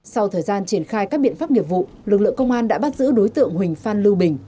sau thời gian triển khai các biện pháp nghiệp vụ lực lượng công an đã bắt giữ đối tượng huỳnh phan lưu bình